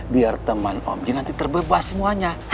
biar teman om nanti terbebas semuanya